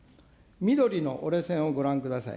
緑の折れ線をご覧ください。